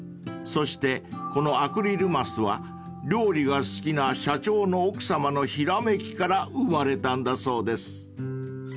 ［そしてこのアクリル枡は料理が好きな社長の奥さまのひらめきから生まれたんだそうです］